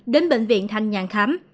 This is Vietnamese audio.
đến bệnh viện thanh nhàng khám